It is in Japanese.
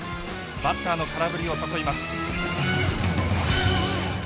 バッターの空振りを誘います。